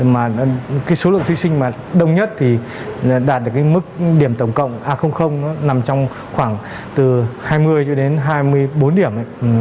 mà cái số lượng thí sinh mà đông nhất thì đạt được cái mức điểm tổng cộng a nó nằm trong khoảng từ hai mươi cho đến hai mươi bốn điểm